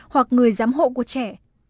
hoặc người giám hộ của trẻ